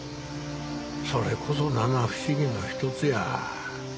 それこそ七不思議の一つや。